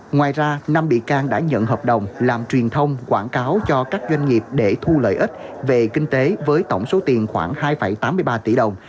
ngoài ra năm bị can đã nhận hợp đồng làm truyền thông quảng cáo cho các doanh nghiệp để thu lợi ích về kinh tế với tổng số tiền khoảng hai tám mươi ba tỷ đồng